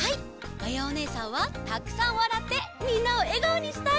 まやおねえさんはたくさんわらってみんなをえがおにしたい！